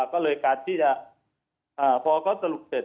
ก็เลยการที่พอก็จะหลุกเสร็จ